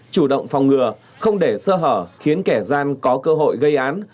chủ động phòng ngừa không để sơ hở khiến kẻ gian có cơ hội gây án